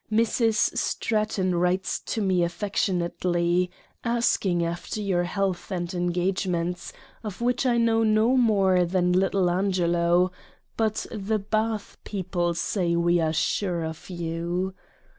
Mrs. Stratton writes to me affectionately, asking after your health and engagements, of which I know no more than little Angelo, but the Bath people say we are sure of you.